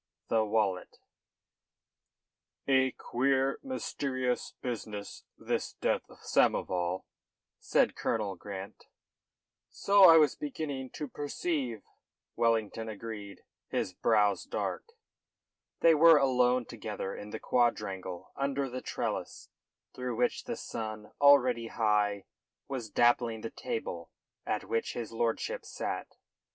THE WALLET "A queer, mysterious business this death of Samoval," said Colonel Grant. "So I was beginning to perceive," Wellington agreed, his brow dark. They were alone together in the quadrangle under the trellis, through which the sun, already high, was dappling the table at which his lordship sat.